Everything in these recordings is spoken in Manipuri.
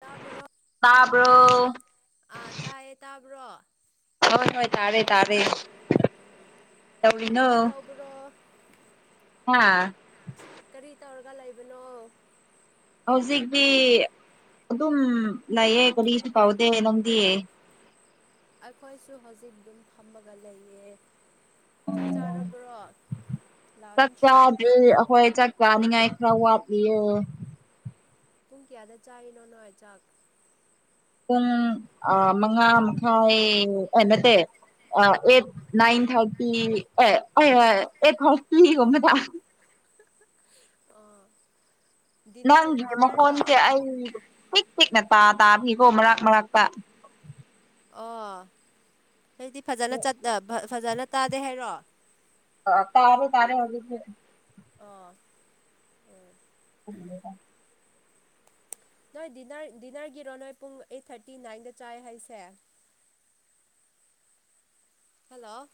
ꯇꯥꯕ꯭ꯔꯣ ꯇꯥꯕ꯭ꯔꯣ ꯇꯥꯏꯌꯦ ꯇꯥꯕ꯭ꯔꯣ ꯍꯣꯏ ꯍꯣꯏ ꯇꯥꯔꯦ ꯇꯥꯔꯦ ꯎꯝ ꯀꯔꯤ ꯇꯧꯔꯤꯅꯣ ꯇꯧꯕ꯭ꯔꯣ ꯍꯥ ꯀꯔꯤ ꯇꯧꯔꯒ ꯂꯩꯕꯅꯣ ꯍꯧꯖꯤꯛꯇꯤ ꯑꯗꯨꯝ ꯂꯩꯌꯦ ꯀꯂꯤꯁꯨ ꯀꯥꯎꯗꯦ ꯅꯪꯗꯤ ꯑꯩꯈꯣꯏꯁꯨ ꯍꯧꯖꯤꯛ ꯑꯗꯨꯝ ꯐꯝꯃꯒ ꯂꯩꯌꯦ ꯆꯥꯛ ꯆꯥꯔꯕ꯭ꯔꯣ ꯂꯟꯁ ꯆꯥꯛꯀꯗꯤ ꯑꯩꯈꯣꯏ ꯆꯥꯛ ꯆꯥꯅꯤꯡꯉꯥꯏ ꯈꯔ ꯋꯥꯠꯂꯤꯌꯦ ꯄꯨꯡ ꯀꯌꯥꯗ ꯆꯥꯅꯣ ꯅꯣꯣꯏ ꯆꯥꯛ ꯄꯨꯡ ꯃꯉꯥ ꯃꯈꯥꯏ ꯅꯠꯇꯦ ꯑꯠꯏꯟ ꯊꯥꯔꯇꯤ ꯐꯔꯇꯤꯃꯦ ꯊ ꯑꯣ ꯅꯪꯒꯤ ꯃꯣꯟꯁꯦ ꯄꯤꯛ ꯄꯤꯛ ꯅꯠꯇ ꯄꯥ ꯇꯥꯕꯤ ꯀꯣ ꯃꯔꯛꯥꯛ ꯃꯔꯛꯥꯛ ꯄꯥ ꯑꯣ ꯍꯧꯛꯇ ꯐꯖꯅ ꯐꯖꯅ ꯇꯥꯗꯦ ꯍꯥꯏꯔꯣ ꯑ ꯇꯥꯎꯔꯦ ꯇꯥꯔꯦ ꯍꯧꯖꯤ ꯑꯣ ꯎꯝ ꯎꯝ ꯅꯣꯏꯔ ꯗꯤꯟꯅꯔꯒꯤꯔꯣ ꯅꯣꯏ ꯄꯨꯡ ꯑꯩꯠ ꯊꯥꯔꯇꯤ ꯅꯥꯏꯟꯗ ꯆꯥꯏ ꯍꯥꯏꯁꯦ [inaudible] hello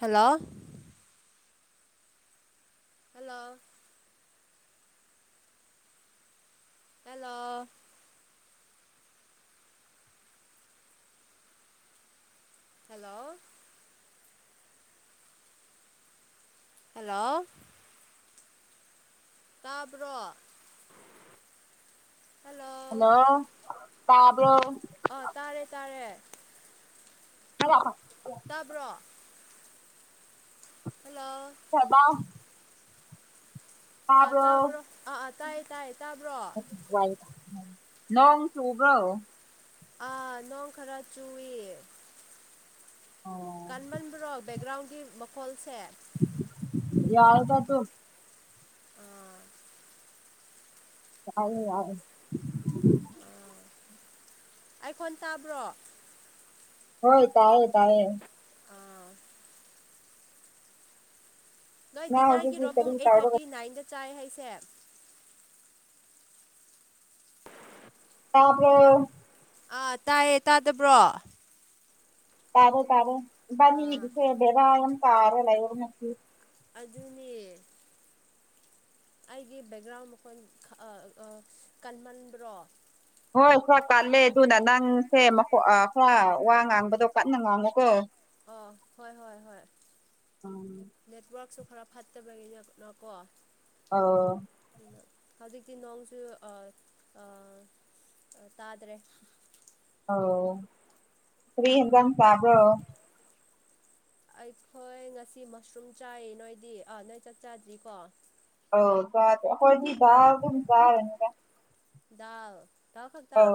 hello hello hello hello hello ꯇꯥꯕ꯭ꯔꯣ ꯍꯜꯂꯣ ꯇꯥꯕ꯭ꯔꯣ ꯑꯥ ꯇꯥꯔꯦ ꯇꯥꯔꯦ ꯇꯣ ꯇꯥꯕ꯭ꯔꯣ ꯍꯜꯂꯣ ꯑꯥ ꯇꯥꯕ꯭ꯔꯣ ꯑꯥ ꯑꯥ ꯇꯥꯏꯌꯦ ꯇꯥꯏꯌꯦ ꯇꯥꯕ꯭ꯔꯣ ꯅꯣꯡꯁꯨꯕ꯭ꯔ ꯑꯥ ꯅꯣꯡ ꯈꯔ ꯆꯨꯏ ꯑꯣ ꯀꯥꯟꯃꯟꯕ꯭ꯔꯣ ꯕꯦꯛꯒ꯭ꯔꯥꯎꯟꯒꯤ ꯃꯈꯣꯜꯁꯦ ꯌꯥꯔꯗ ꯇ ꯑꯣ ꯌꯥꯏ ꯌꯥꯏ ꯑꯩꯥꯈꯣꯟ ꯇꯥꯕ꯭ꯔꯣ ꯍꯣꯏ ꯇꯥꯏ ꯇꯥꯌꯦ ꯑꯥ ꯅꯣꯏ ꯅꯪ ꯍꯧꯖꯤꯛꯇꯤ ꯗꯤꯅꯔꯒꯤꯔꯣ ꯀꯔꯤ ꯄꯨꯡ ꯑꯩꯠ ꯇꯧꯔꯒ ꯊꯥꯔꯇꯤ ꯅꯥꯏꯟꯗ ꯆꯥꯏ ꯍꯥꯏꯁꯦ ꯇꯥꯕꯔꯣ ꯑꯥ ꯇꯥꯏꯌꯦ ꯇꯥꯗꯕ꯭ꯔꯣ ꯇꯔꯦ ꯑꯥ ꯇꯔꯦꯅꯤꯦꯗꯦꯚ ꯌꯥꯝꯝ ꯀꯥꯔ ꯂꯩ ꯑꯖꯅꯤ ꯑꯩꯒꯤ ꯕꯦꯛꯒ꯭ꯔꯥꯎꯟ ꯃꯈꯣꯏ ꯀꯟꯃꯟꯕ꯭ꯔꯣ ꯍꯣꯏ ꯈꯔ ꯀꯜꯂꯦ ꯑꯗꯨꯅ ꯅꯪꯁꯦ ꯈꯔ ꯋꯥ ꯉꯥꯡꯕꯗꯣ ꯀꯟꯅ ꯉꯥꯡꯉꯨꯀꯣ ꯑ ꯍꯣꯏ ꯍꯣꯏ ꯍꯣꯏ ꯅꯦꯠꯋ ꯈꯔ ꯐꯠꯇꯕꯒꯤꯅꯅꯀꯣ ꯑ ꯍꯧꯖꯤꯛꯇꯤ ꯅꯣꯡꯁꯨ ꯇꯥꯗ꯭ꯔꯦ ꯑꯣ ꯐꯔꯤ ꯍꯟꯗ ꯇꯕ꯭ꯔꯣ ꯑꯩꯈꯣꯏ ꯉꯁꯤ ꯃꯁꯔꯨꯝ ꯆꯥꯏ ꯅꯣꯏꯗꯤ ꯑꯥ ꯅꯣꯏ ꯆꯥꯛ ꯆꯥꯗ꯭ꯔꯤꯀꯣ ꯑ ꯆꯗ ꯍꯣꯏꯗꯤ ꯑꯗꯨꯝ ꯆꯔꯅꯤ ꯗꯎ ꯊꯎ ꯈꯛꯇ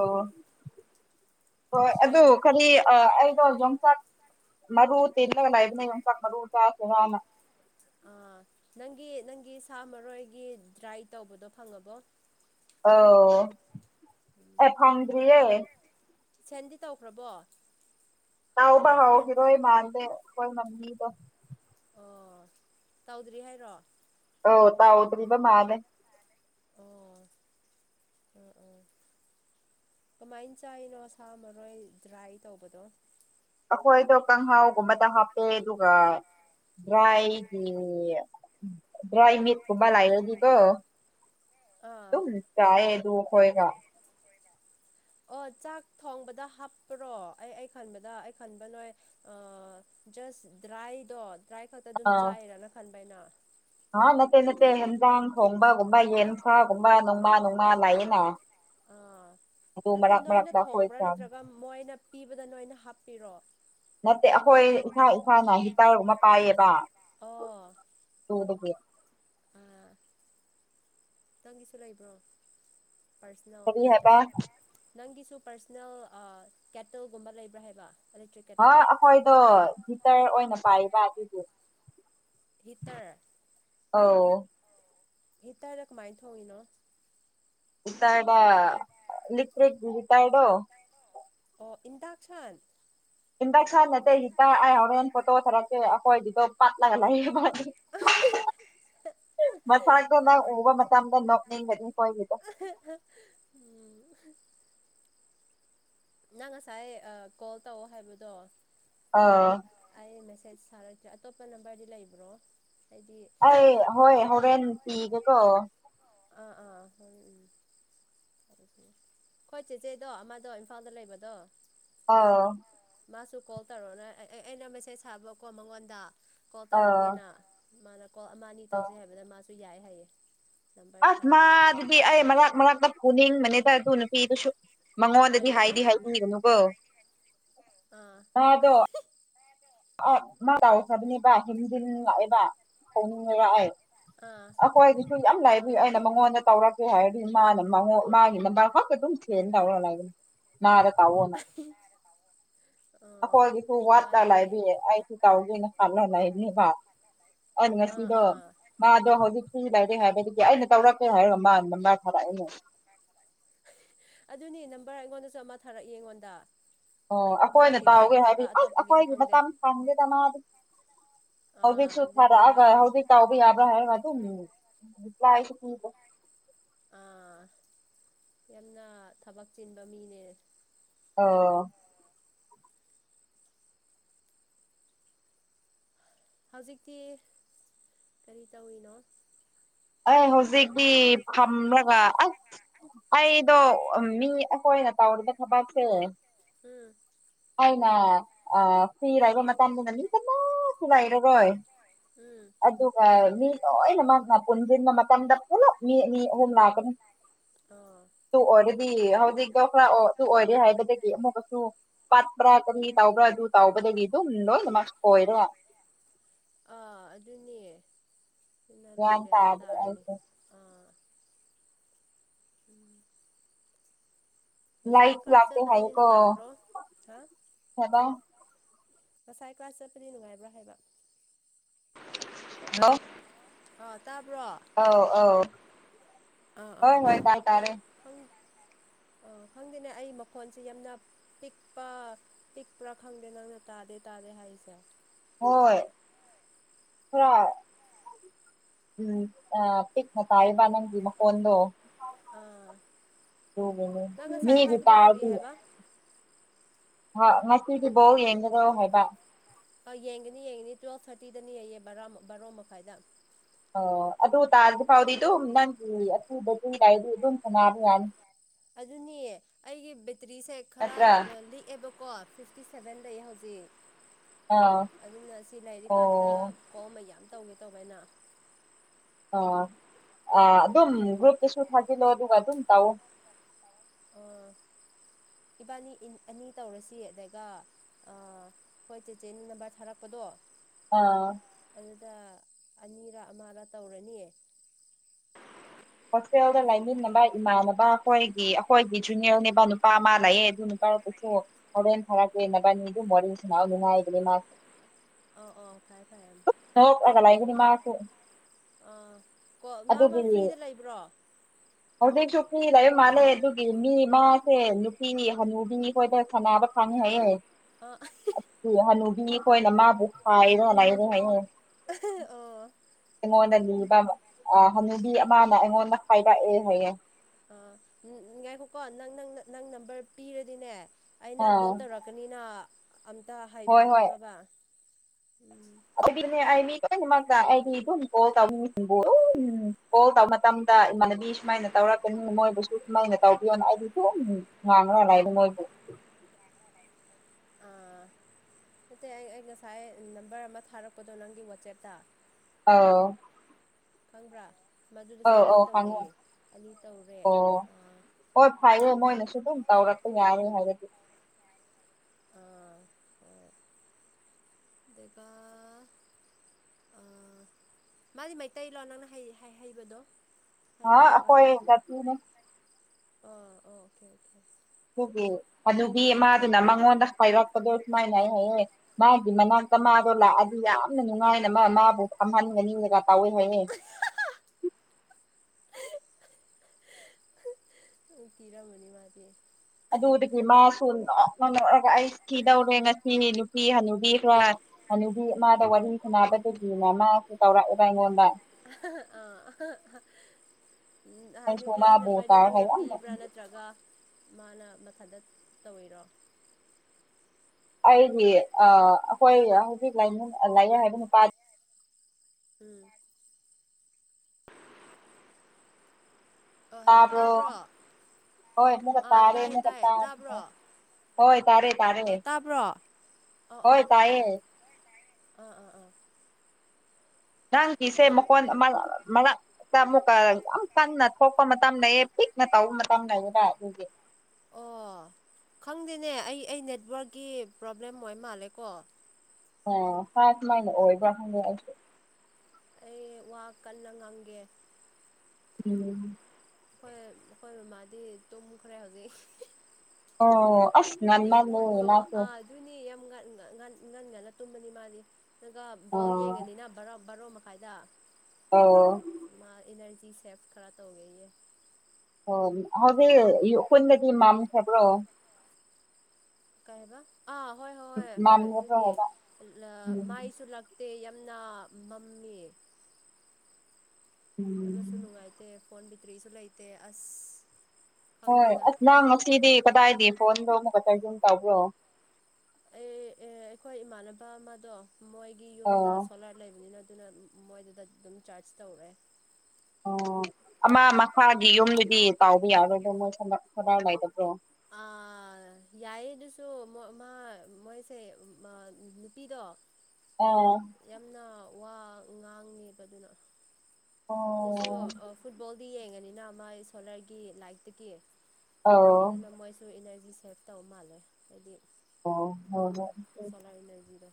ꯍꯣꯏ ꯑꯗꯨ ꯁꯥꯏꯠ ꯀꯔꯤ ꯑꯩꯗꯣ ꯌꯣꯡꯆꯥꯛ ꯃꯔꯨ ꯇꯅꯨ ꯆ ꯑꯥ ꯅꯪꯒꯤ ꯅꯪꯒꯤ ꯁꯥ ꯃꯔꯣꯏꯒꯤ ꯗ꯭ꯔꯥꯏ ꯇꯧꯕꯗꯣ ꯐꯪꯉꯕꯣ ꯑꯣ ꯎꯝ ꯑꯦ ꯐꯪꯗꯔꯤꯌꯦ ꯁꯦꯟꯗꯤ ꯇꯧꯈ꯭ꯔꯕꯣ ꯇꯧꯕ ꯍꯧꯒꯤꯔꯣꯏ ꯃꯥꯟꯗꯦ ꯑꯈꯣꯏ ꯃꯝꯃꯤꯗꯣ ꯑꯣ ꯇꯧꯗ꯭ꯔꯤ ꯍꯥꯏꯔꯣ ꯍꯣ ꯇꯥꯎꯗꯔꯤꯕ ꯃꯥꯂꯦ ꯑꯣ ꯎꯝ ꯑꯣ ꯀꯃꯥꯏꯅ ꯆꯥꯏꯅꯣ ꯁꯥ ꯃꯔꯣꯏ ꯗ꯭ꯔꯥꯏ ꯇꯧꯕꯗꯣ ꯑꯩꯈꯣꯏꯗꯣ ꯀꯥꯡꯪꯍꯥꯎꯒꯨꯝꯕꯗ ꯍꯥꯞꯄꯦ ꯑꯗꯨꯒ ꯗ꯭ꯔꯥꯏ ꯗ꯭ꯔꯥꯏꯃꯤꯠ ꯈꯨꯕꯂꯔꯗꯤꯀꯣ ꯑꯥ ꯇꯝ ꯆꯑꯗꯨ ꯍꯣꯏꯒ ꯑꯣ ꯆꯥꯛ ꯊꯣꯡꯕꯗ ꯍꯥꯞꯄ꯭ꯔꯣ ꯑꯩ ꯑꯩ ꯈꯟꯕꯗ ꯑꯩ ꯈꯟꯕ ꯅꯣꯏ ꯑ ꯖꯁ ꯗ꯭ꯔꯥꯏꯗꯣ ꯗ꯭ꯔꯥꯏ ꯈꯛꯇ ꯑꯗꯨꯝ ꯆꯥꯏꯔꯅ ꯈꯟꯕ ꯑꯩꯅ ꯑ ꯅꯠꯇꯦ ꯅꯠꯇꯦ ꯍꯦꯟꯖꯥꯡ ꯊꯣꯡꯕꯒꯨꯝꯕ ꯌꯦꯟꯁꯥꯒꯨꯝꯕ ꯅꯣꯡꯃꯥ ꯣꯡꯃꯥ ꯂꯥꯛꯏꯅ ꯑꯥ ꯅꯠꯇꯦ ꯅꯣꯏꯅ ꯑꯩꯈꯣꯏ ꯊꯣꯡꯕ꯭ꯔꯥ ꯆꯥꯕꯅꯦ ꯅꯠꯇ꯭ꯔꯒ ꯃꯣꯏꯅ ꯄꯤꯕꯗ ꯅꯣꯏꯅ ꯍꯥꯞꯄꯤꯔꯣ ꯅꯠꯇꯦ ꯑꯩꯈꯣꯏ ꯏꯁꯥ ꯏꯁꯥꯅ ꯍꯤꯇꯔꯨꯛ ꯑꯃ ꯄꯥꯏꯌꯦꯕ ꯑꯣ ꯎꯔ ꯑꯥ ꯅꯇꯪꯒꯤꯁꯨ ꯂꯩꯕ꯭ꯔꯣ ꯄꯔꯁꯅꯦꯜ ꯀꯔꯤ ꯍꯥꯏꯕ ꯍꯇꯔ ꯅꯪꯒꯤꯁꯨ ꯄꯔꯁꯅꯦꯜ ꯀꯦꯇꯜꯒꯨꯝꯕ ꯂꯩꯕ꯭ꯔꯥ ꯍꯥꯏꯕ ꯏꯂꯦꯛꯇ꯭ꯔꯤꯛ ꯍꯥ ꯀꯦꯇꯜ ꯑꯩꯈꯣꯏꯗꯣ ꯒꯤꯇꯔ ꯑꯣꯏꯅ ꯄꯥꯏꯔꯤꯕ ꯍꯤꯇꯥꯔ ꯑꯧ ꯍꯦꯛꯇꯗ ꯀꯃꯥꯏꯅ ꯊꯣꯛꯏꯅꯣ ꯏꯇꯥꯥꯏ ꯂꯇ꯭ꯔꯦ ꯂꯤꯇꯥꯥꯏꯗꯣ ꯑꯣ ꯏꯟꯗ ꯈꯥꯟ ꯈꯥꯟ ꯅꯠꯇ ꯑꯥꯏ ꯍꯔꯦꯟ ꯐꯣꯇꯣ ꯑꯣꯊꯔꯛꯀꯦ ꯑꯩꯈꯣꯏꯗꯤꯗꯣ ꯄꯥꯛꯂꯒꯂ ꯃꯊ ꯎꯕ ꯑꯣ ꯃꯊꯗ ꯅꯣꯏ ꯎꯝ ꯅꯪ ꯉꯁꯥꯏ ꯀꯣꯜ ꯇꯧꯑꯣ ꯍꯥꯏꯕꯗꯣ ꯑꯥ ꯃꯦꯁꯦꯁ ꯊꯥꯔꯛꯇ꯭ꯔꯦ ꯑꯇꯣꯞꯄ ꯅꯝꯕꯔꯗꯤ ꯂꯩꯕ꯭ꯔꯣ ꯑꯩꯗꯤ ꯑꯩ ꯍꯣꯏ ꯍꯣꯔꯦꯟ ꯄꯤꯒꯦꯀꯣ ꯑꯥ ꯑꯥ ꯍ ꯎꯝ ꯍꯣꯏ ꯆꯦ ꯆꯦꯣ ꯑꯃꯥꯗ ꯏꯝꯐꯥꯜꯗ ꯂꯩꯕꯗꯣ ꯑꯥ ꯃꯥꯁꯨ ꯀꯣꯜ ꯇꯧꯔꯛꯑꯣꯅ ꯑꯦ ꯑꯩꯅ ꯃꯦꯁꯦꯖ ꯁꯥꯕꯀꯣ ꯃꯉꯣꯟꯗ ꯀꯣꯜ ꯑꯥ ꯇꯧꯔꯛꯀꯦꯅ ꯃꯥꯅ ꯀꯣꯜ ꯑꯃ ꯑꯅꯤ ꯇꯧꯁꯦ ꯍꯥꯏꯕꯗ ꯃꯥꯁꯨ ꯌꯥꯏ ꯍꯥꯏꯌꯦ ꯅꯝꯕꯔ ꯑꯁ ꯃꯥ ꯊꯥꯔꯛꯏ ꯑꯗꯨꯗꯤ ꯑꯩ ꯃꯔꯛ ꯃꯔꯛꯇ ꯄꯨꯅꯤꯡꯕꯅꯤꯗ ꯑꯗꯨ ꯅꯨꯄꯤꯗꯨꯁꯨ ꯃꯉꯣꯟꯗꯗꯤ ꯀꯔꯤꯒꯤ ꯍꯥꯏꯗꯤ ꯍꯥꯏꯕꯤꯒꯅꯨꯕꯣ ꯑꯥ ꯑꯗꯣ ꯑ ꯃꯥ ꯂꯥꯎꯈ꯭ꯔꯕꯅꯦꯕ ꯍꯨꯝꯖꯤꯟ ꯂꯛꯑꯦꯕ ꯍꯧꯅꯤꯡꯉ ꯂꯥꯛꯑꯦ ꯑ ꯑꯩꯈꯣꯏꯗꯤꯁꯨ ꯌꯥꯝ ꯂꯥꯏꯕꯤꯏ ꯑꯩꯅ ꯃꯉꯣꯟꯗ ꯇꯧꯔꯛꯀꯦ ꯍꯥꯏꯔꯗꯤ ꯃꯥꯅ ꯃꯥꯒꯤꯅ ꯃꯔꯈꯛꯇ ꯑꯗꯨꯝ ꯁꯦꯅꯤ ꯇ ꯑ ꯇꯥꯥꯎꯑꯣꯅ ꯔ ꯑꯩꯈꯣꯏꯒꯤꯁꯨ ꯋꯥꯠꯂ ꯂꯥꯏ ꯑꯩꯁꯨ ꯇꯥꯎꯗꯅ ꯈꯜꯂꯣ ꯂꯩꯅꯦꯕ ꯑꯗꯨ ꯑꯥ ꯉꯁꯤꯗꯣ ꯑꯥ ꯃꯥꯗꯣ ꯍꯧꯖꯤꯛ ꯂꯥꯏꯔꯤꯛ ꯍꯥꯏꯕꯗꯒꯤ ꯑꯩꯅ ꯇꯧꯔꯛꯀꯦ ꯍꯥꯏꯔꯣ ꯃꯥꯗ ꯃꯥ ꯊꯥꯔꯛꯏꯅꯦ ꯑꯗꯨꯅꯤ ꯅꯝꯕꯔ ꯑꯩꯉꯣꯟꯗꯁꯨ ꯑꯃ ꯊꯥꯔꯛꯏ ꯑꯩꯉꯣꯟꯗ ꯑꯣ ꯑꯩꯈꯣꯏꯅ ꯃꯥꯒꯤꯔ ꯇꯥꯎꯒꯦ ꯅꯠꯇ꯭ꯔꯒ ꯍꯥꯏꯕꯤꯌ ꯑꯁ ꯑꯇꯣꯞꯄꯒꯤꯔ ꯑꯩꯈꯣꯏꯒꯤ ꯈꯪꯗꯦ ꯃꯇꯝ ꯁꯪꯒꯦꯗ ꯃꯥ ꯑꯗꯨꯝ ꯑꯥ ꯍꯧꯖꯤꯛꯁꯨ ꯑꯗꯨꯅꯤ ꯈꯔꯕ ꯃꯥꯏꯗꯤ ꯍꯧꯖꯤꯛ ꯇꯥꯎꯕ ꯌꯥꯕ꯭ꯔꯥ ꯍꯥꯏ ꯑꯗꯨ ꯂꯏꯗ ꯑꯥ ꯌꯥꯝꯅ ꯊꯕꯛ ꯆꯤꯟꯕ ꯃꯤꯅꯦ ꯑꫭ ꯍꯧꯖꯤꯛꯇꯤ ꯀꯔꯤ ꯇꯧꯋꯤꯅꯣ ꯑꯦ ꯍꯧꯖꯤꯛꯤ ꯐꯝꯂꯒ ꯑ ꯑꯩꯗꯣ ꯃꯤ ꯑꯩꯈꯣꯏꯅ ꯇꯧꯔꯤꯕ ꯊꯕꯛꯁꯦ ꯎꯝ ꯑꯩꯅ ꯐꯤꯔ ꯍꯥꯏꯕ ꯃꯇꯝꯗꯨꯗ ꯃꯤ ꯀꯟꯅꯁꯨꯤꯂꯥꯏꯔꯔꯣꯏ ꯎꯝ ꯑꯗꯨꯒ ꯃꯤ ꯂꯣꯏꯅ ꯃꯍꯥꯛꯅ ꯄꯨꯟꯁꯤꯟꯕ ꯃꯇꯝꯗ ꯄꯨꯨꯝꯅꯃꯛ ꯃꯤ ꯑ ꯑꯍꯨꯝ ꯂꯥꯛꯀꯅꯤ [inaudible] ꯇꯨ ꯑꯣꯏꯔꯗꯤ ꯍꯧꯖꯤꯛꯇꯣ ꯈꯔ ꯇ ꯑꯣꯏꯔꯦ ꯍꯥꯏꯕꯗꯒꯤ ꯑꯃꯨꯛꯀꯁꯨ ꯄꯠꯕ꯭ꯔꯥ ꯀꯅꯤ ꯇꯥꯎꯕ꯭ꯔꯥ ꯑꯗꯨ ꯇꯥꯎꯕꯗꯗꯒꯤ ꯑꯗꯨ ꯎꯅꯣ ꯅ ꯃꯁ ꯍꯣꯣꯏꯔꯦ ꯑꯥ ꯑꯗꯨꯅꯤ ꯁꯤꯅ ꯒ꯭ꯌꯥꯟ ꯅꯣꯏꯗꯦꯔꯥ ꯇꯥꯗ꯭ꯔꯦ ꯇꯥꯔꯅꯤ ꯑꯩꯁꯦ ꯑ ꯎꯝ ꯉꯁꯥꯏ ꯂꯥꯏꯛ ꯀ꯭ꯂꯥꯁ ꯂꯥꯛꯇꯦ ꯆꯠꯄꯗꯗꯤ ꯍꯥꯏꯀꯣ ꯅꯨꯡꯉꯥꯏꯕ꯭ꯔꯣ ꯍꯥ [unintelligible] ꯉꯁꯥꯏ ꯀ꯭ꯋꯥ ꯆꯠꯄꯗꯤ ꯅꯨꯡꯉꯥꯏꯕ꯭ꯔꯥ ꯍꯥꯏꯕ ꯅ ꯑꯥ ꯇꯥꯕ꯭ꯔꯣ ꯑꯥ ꯑꯥꯎ ꯑꯥꯎ ꯍꯣꯏ ꯍꯣꯏ ꯇꯥꯏ ꯇꯥꯔꯦ ꯑꯣ ꯈꯪꯗꯦꯅꯦ ꯑꯩ ꯃꯈꯣꯟꯁꯦ ꯌꯥꯝꯅ ꯄꯤꯛꯄ ꯄꯤꯛꯄ꯭ꯔꯥ ꯈꯪꯗꯦ ꯅꯪꯅ ꯇꯥꯗꯦ ꯇꯥꯗꯦ ꯍꯥꯏꯁꯦ ꯍꯣꯏ ꯍꯣ ꯎꯝ ꯄꯤꯛꯅ ꯇꯥꯏꯕꯅꯒꯤ ꯃꯈ ꯐꯣꯟꯗꯣ ꯑꯥ ꯅꯪ ꯉꯁꯥꯏ ꯃꯤꯗꯤ ꯍꯥꯏꯕꯗꯣ ꯇꯥꯔ ꯀꯔꯤ ꯍꯥꯏꯕ ꯍ ꯉꯁꯤꯗꯤꯕꯥꯎ ꯌꯦꯡꯒꯗꯣ ꯍꯥꯏꯕ ꯑ ꯌꯦꯡꯒꯅꯤ ꯌꯦꯡꯒꯅꯤ ꯇꯨꯋꯜꯐ ꯊꯥꯔꯇꯤꯗꯅꯤ ꯌꯦꯡꯌꯦ ꯕꯥꯔ ꯕꯥꯔꯣ ꯃꯈꯥꯏꯗ ꯑꯣ ꯑꯗꯨ ꯇꯥꯗꯤ ꯐꯥꯎꯗꯤ ꯑꯗꯨꯝ ꯅꯪꯒꯤ ꯑꯊꯨꯗ ꯆꯨꯏꯗꯥꯏꯗꯤ ꯑꯗꯨꯝ ꯁꯅꯥꯔ ꯌꯥꯅꯤ ꯑꯗꯨꯅꯤꯌꯦ ꯑꯩꯒꯤ ꯕꯦꯇ꯭ꯔꯤꯁꯦ ꯈꯔ ꯅꯠꯇ꯭ꯔꯥ ꯂꯤꯛꯑꯦꯕꯀꯣ ꯐꯤꯐꯇꯤ ꯁꯦꯚꯦꯟꯗꯩ ꯍꯧꯖꯤꯛ ꯑꯥ ꯑꯗꯨꯅ ꯁꯤ ꯑꯣ ꯂꯩꯔꯤꯀꯥꯟꯗ ꯀꯣ ꯃꯌꯥꯝ ꯇꯧꯒꯦ ꯇꯧꯕꯩꯅ ꯑꯥ ꯑ ꯑꯗꯨꯝ ꯒ꯭ꯔꯨꯞꯇꯁꯨ ꯊꯥꯖꯤꯜꯂꯣ ꯑꯗꯨꯒ ꯑꯗꯨꯝ ꯇꯧꯑꯣ [inaudible] ꯏꯕꯥꯅꯤ ꯑꯅꯤ ꯇꯧꯔꯁꯤ ꯑꯗꯨꯒ ꯑꯩꯣꯏ ꯆꯦꯆꯦ ꯅꯝꯕꯔ ꯊꯥꯔꯛꯄꯗꯣ ꯑꯥ ꯑꯗꯨꯗ ꯑꯅꯤꯔ ꯑꯃꯔ ꯇꯧꯔꯅꯤ ꯍꯣꯁꯇꯦꯜꯗ ꯂꯩꯃꯤꯟꯅꯕ ꯏꯃꯥꯟꯅꯕ ꯑꯩꯈꯣꯏꯒꯤ ꯑꯩꯈꯣꯏꯒꯤ ꯖꯨꯅꯤꯌꯔꯅꯦꯕ ꯅꯨꯄꯥ ꯑꯃ ꯂꯩꯑꯦ ꯑꯗꯨ ꯅꯨꯄꯥꯥ ꯇꯧꯊꯣꯛ ꯍꯣꯔꯦꯟ ꯐꯔꯛꯅꯦ ꯃꯕꯥꯅꯤ ꯑꯗꯨꯝ ꯋꯥꯔꯤ ꯁꯅꯍꯜꯂꯨ ꯅꯨꯡꯉꯥꯏꯕꯅꯦ ꯃꯥꯁꯨ ꯑꯣ ꯑꯣ ꯍꯧꯑꯥꯠꯂꯒ ꯂꯩꯕꯅꯤ ꯃꯥꯁꯨ ꯑꯥ ꯀꯣ ꯃꯥ ꯃꯥ ꯐ꯭ꯔꯤꯗ ꯂꯩꯕ꯭ꯔꯣ ꯍꯧꯖꯤꯛꯁꯨꯨ ꯐꯔꯤ ꯂꯩꯕꯥ ꯃꯥꯜꯂꯦ ꯑꯗꯨꯒꯤ ꯃꯤ ꯃꯥꯥꯁꯦ ꯅꯨꯞ ꯄꯤꯅꯤ ꯍꯅꯨꯕꯤꯅꯤ ꯈꯣꯏꯇꯥ ꯊꯝꯃꯛꯑꯕꯥ ꯐꯪꯅꯤ ꯍꯥꯏꯌꯦ ꯑꯥ ꯑꯁꯤ ꯍꯅꯨ ꯃꯤꯈꯣꯏꯅ ꯃꯥꯕꯨ ꯄꯥꯏꯔꯣ ꯂꯩꯔꯣ ꯍꯥꯏ ꯑꯣ ꯑꯩꯉꯣꯟꯗ ꯑꯣ ꯂꯨ ꯄꯥꯝꯕꯔꯥ ꯑ ꯍꯅꯨꯕꯤ ꯑꯃꯅ ꯑꯩꯉꯣꯟꯗ ꯍꯥꯏꯔꯛꯑꯦ ꯍꯥꯏꯌꯦ ꯑꯥ ꯉꯥꯏꯈꯣꯀꯣ ꯅꯪ ꯅꯪ ꯅꯪ ꯅꯝꯕꯔ ꯄꯤꯔꯗꯤꯅꯦ ꯑꯩꯅ ꯑꯥ ꯀꯣꯜ ꯇꯧꯔꯛꯀꯅꯤꯅ ꯑꯃ ꯇ ꯍꯣꯏ ꯍꯥꯏꯕꯤꯌꯣ ꯍꯣꯏ ꯈꯪꯉꯕꯥ ꯑꯗꯨꯒꯤꯅꯦ ꯑꯩ ꯃꯤ ꯂꯣꯏꯟꯃꯛꯇ ꯑꯩꯗꯤ ꯑꯗꯨꯝ ꯀꯣꯜ ꯇꯧꯅꯤꯡꯁꯤꯕꯨ ꯀꯣꯜ ꯇꯧꯕ ꯃꯇꯝꯗ ꯏꯃꯥꯟꯅꯕꯤ ꯑꯩ ꯁꯨꯃꯥꯏꯅ ꯇꯧꯔꯛꯄꯅꯤ ꯃꯣꯏꯕꯨꯁꯨ ꯁꯨꯃꯥꯏꯅ ꯇꯧꯕꯤꯌꯣꯅ ꯑꯩꯗꯤ ꯁꯨꯝ ꯉꯥꯡꯉꯥ ꯂꯩꯗ ꯃꯣꯏꯕꯨ [inaudible] ꯑꯥ ꯅꯠꯇꯦ ꯑꯩ ꯑꯩ ꯉꯁꯥꯏ ꯅꯝꯕꯔ ꯑꯃ ꯊꯥꯔꯛꯄꯗꯣ ꯅꯪꯒꯤ ꯋꯥꯆꯦꯞꯇ ꯑꯎ ꯈꯪꯕ꯭ꯔꯥ ꯃꯗꯨꯗꯁꯨ ꯑꯅꯤ ꯈꯪꯉꯦ ꯇꯧꯔꯣꯏꯌꯦ ꯑꯅꯤ ꯇꯧꯔꯦ ꯑꯣ ꯑꯥ ꯍꯣꯏ ꯐꯩꯌꯦ ꯃꯣꯏꯅꯁꯨ ꯑꯗꯨꯝ ꯇꯧꯔꯛꯄ ꯌꯥꯔꯦ ꯍꯥꯏꯔꯗꯤ ꯑꯥ ꯍꯣꯏ ꯗꯩꯒꯥ ꯑ ꯃꯥꯗꯤ ꯃꯩꯇꯩ ꯂꯣ ꯅꯪꯅ ꯍꯩ ꯍꯩ ꯍꯩꯕꯗꯣ ꯍꯥꯏꯕ ꯍꯥꯥ ꯑꯈꯣꯏ ꯖꯥꯇꯤꯅꯦ ꯑꯥ ꯑꯣ ꯑꯣꯈꯦ ꯑꯣꯈꯦ ꯑꯗꯨꯒꯤ ꯍꯥꯅꯨꯕꯤ ꯃꯥꯗꯨꯅ ꯃꯉꯣꯟꯗ ꯍꯥꯏꯔꯛꯄꯗꯣ ꯁꯨꯃꯥꯏꯅ ꯍꯥꯏꯦ ꯃꯥꯕꯨ ꯃꯅꯥꯛ ꯇꯥ ꯃꯥꯗꯣ ꯂꯥꯛꯑꯗꯤ ꯌꯥꯝꯅ ꯅꯨꯡꯉꯥꯏꯅ ꯃꯥ ꯃꯥꯕꯨ ꯐꯝꯍꯟꯒꯅꯤꯕ ꯀꯥꯎꯏ ꯍꯣꯏꯅꯤ ꯀꯤꯔꯝꯃꯅꯤ ꯃꯥꯗꯤ ꯑꯗꯨꯗꯒꯤ ꯃꯥꯁꯨ ꯅꯣꯛ ꯅ ꯅꯣꯛꯑꯒ ꯑꯩ ꯀꯤꯗꯧꯔꯦ ꯉꯁꯤꯅꯤ ꯅꯨꯄꯤ ꯍꯅꯨꯕꯤ ꯈꯔ ꯍꯥꯅꯨꯕꯤ ꯃꯥꯗꯥ ꯋꯥꯔꯤ ꯁꯅꯥꯕꯗꯒꯤꯅ ꯃꯥꯁꯨ ꯇꯧꯔꯛꯑꯦꯕ ꯑꯩꯉꯣꯟꯗ ꯑ ꯑꯩꯁꯨ ꯃꯥꯕꯨ ꯇꯥꯔꯦ ꯍꯥꯏꯕꯥ ꯌꯥꯝꯅꯥ ꯔꯥ ꯅꯥꯠꯇꯔꯒꯥ ꯃꯅꯥ ꯃꯊꯟꯗ ꯇꯧꯏꯔꯣ ꯑꯩꯒꯤ ꯑꯩꯈꯣꯏ ꯍꯧꯖꯤꯛ ꯂꯩꯌꯦ ꯍꯥꯏꯕ ꯅꯨꯄꯥ ꯎꯝ ꯑꯣ ꯍꯜꯂꯣ ꯇꯥꯕ꯭ꯔꯣ ꯍꯣꯏ ꯑꯃꯨꯛꯀꯥ ꯑꯥ ꯇꯥꯔꯦ ꯇꯥꯏꯌꯦ ꯑꯃꯨꯛꯀꯥ ꯇꯥꯏꯌꯦ ꯇꯥ ꯇꯥꯕ꯭ꯔꯣ ꯍꯣꯏ ꯇꯥꯔꯦ ꯇꯥꯔꯦ ꯑ ꯑ ꯍꯣꯏ ꯑ ꯀꯩ ꯀꯩ ꯇꯥꯏꯌꯦ ꯑꯥ ꯑꯥ ꯑꯥ ꯅꯪꯒꯤꯁꯦ ꯍꯧꯖꯤꯛ ꯃꯈꯣꯟ ꯃꯔꯛꯇ ꯑꯃꯨꯛꯀ ꯌꯥꯝ ꯀꯟꯅ ꯊꯣꯛꯄ ꯃꯇꯝ ꯂꯩꯌꯦ ꯄꯤꯛꯅ ꯇꯧꯕ ꯃꯇꯥꯡ ꯂꯩꯌꯦꯕꯥ ꯑꯗꯨꯒꯤ ꯑꯣ ꯈꯪꯗꯦꯅꯦ ꯑꯩ ꯑꯩ ꯅꯦꯠꯋꯥꯔꯛꯀꯤ ꯄ꯭ꯔꯣꯕ꯭ꯂꯦꯝ ꯑꯣꯏ ꯃꯥꯜꯂꯦꯀꯣ ꯑ ꯍꯥꯠ ꯃꯥꯥꯏꯅ ꯑꯣꯏꯕ ꯈꯪꯗꯦ ꯑꯩꯁꯨ ꯑꯩ ꯋꯥ ꯀꯟꯅ ꯉꯥꯡꯒꯦ ꯎꯝ ꯑꯩꯈꯣꯏ ꯃꯈꯣꯏ ꯃꯃꯥꯗꯤ ꯇꯨꯝꯈ꯭ꯔꯦ ꯍꯧꯖꯤꯛ ꯑꯣ ꯑꯁ ꯉꯟꯃꯜꯂꯦ ꯃꯁꯨ ꯉꯟ ꯉꯟ ꯉꯟ ꯉꯟꯉꯟꯂ ꯇꯨꯝꯅꯤ ꯃꯥꯗꯤ ꯑꯗꯨꯒ ꯕꯣꯜ ꯑꯣ ꯌꯦꯡꯉꯅꯤꯅ ꯕꯥꯔꯣ ꯃꯛ ꯐꯥꯏꯗ ꯑꯣ ꯁꯦꯁ ꯈꯔ ꯇꯧꯒ ꯑꯦ ꯑꯣ ꯍꯧꯖꯤ ꯈꯨꯣꯏꯟꯅꯗꯤ ꯃꯝꯈꯕ꯭ꯔꯣ ꯀꯥꯏꯕ ꯃꯥꯟꯨ ꯗ ꯎꯝ ꯁꯦ ꯌꯥꯝꯅ ꯃꯝꯃꯤ ꯌꯥꯝꯅꯁꯨ ꯎꯝ ꯅꯨꯡꯉꯥꯏꯇꯦ ꯐꯣꯟ ꯕꯦꯇ꯭ꯔꯤꯁꯨ ꯂꯩꯇꯦ ꯑꯁ ꯍꯣꯏ ꯈꯪꯗꯦꯗ ꯑꯁ ꯅꯪ ꯉꯁꯤꯗꯤ ꯀꯗꯥꯏꯗ ꯐꯣꯟꯗꯣ ꯑꯃ ꯈꯛꯇꯖꯨꯝ ꯇꯧꯕ꯭ꯔꯣ ꯑꯩ ꯑꯦ ꯑꯩꯈꯣꯏ ꯏꯃꯥꯟꯅꯕ ꯑꯃꯗꯣ ꯃꯣꯏꯒꯤ ꯌꯨꯝꯗ ꯑꯣ ꯁꯣꯂꯥꯔ ꯂꯩꯕꯅꯤꯅ ꯑꯗꯨꯅ ꯃꯣꯏꯗꯨꯗ ꯑꯗꯨꯝ ꯆꯥꯔꯖ ꯇꯧꯔꯦ ꯎꯝ ꯑꯃ ꯃꯈꯥꯒꯤ ꯌꯨꯝꯗꯨꯗꯤ ꯇꯥꯎꯕ ꯌꯥꯔꯣꯏꯗꯣ ꯃꯣꯏ ꯀꯗꯥꯏꯗꯥꯏꯗꯕ꯭ꯔꯣ ꯑꯥ ꯌꯥꯏꯌꯦ ꯑꯗꯨꯁꯨ ꯃꯥ ꯃꯣꯏꯁꯦ ꯅꯨꯄꯤꯗꯣ ꯑꯥ ꯌꯥꯝꯅ ꯋꯥ ꯉꯥꯡꯉꯦꯕꯗꯨꯅ ꯑꯗꯨꯁꯨ ꯑꯣ ꯐꯨꯠꯕꯣꯜ ꯌꯦꯡꯉꯅꯤꯅ ꯃꯥꯏ ꯁꯣꯂꯔꯒꯤ ꯂꯥꯏꯠꯇꯒꯤ ꯑꯧ ꯑꯗꯨꯅ ꯃꯣꯏꯁꯨ ꯏꯅꯔꯖꯤ ꯖꯤ ꯁꯦꯞ ꯇꯧꯕ ꯃꯥꯜꯂꯦ ꯍꯥꯏꯗꯤ ꯑꯣ ꯍꯣꯏ ꯍꯣꯏ ꯁꯣꯂꯥꯔ ꯏꯅꯔꯖꯤꯗꯣ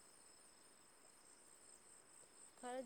ꯈꯔꯗꯤ